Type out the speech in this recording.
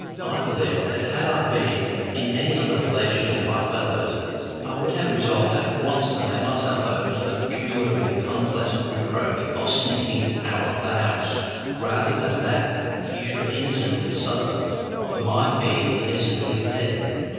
I believe that had I been in any other relation to my fellows, I would have resolved at once to lay myself open to the peculiarly unpleasant reproach of sneaking out of the house, rather than that she should innocently suffer for my being innocently there.